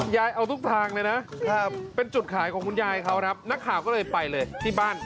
ยายเอาทุกทางเลยนะเป็นจุดขายของคุณยายเขาครับนักข่าวก็เลยไปเลยที่บ้าน